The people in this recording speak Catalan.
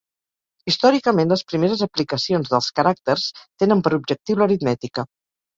Històricament les primeres aplicacions dels caràcters tenen per objectiu l'aritmètica.